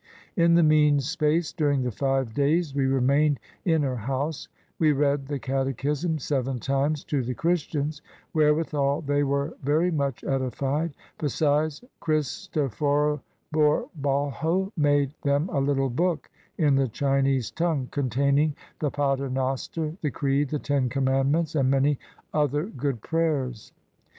In the mean space, during the five days we remained in her house, we read the catechism seven times to the Christians; wherewithal they were very much edified; beside, Christophoro Borbalho made them a little book in the Chinese tongue, containing the Paternoster, the Creed, the Ten Commandments, and many other good prayers.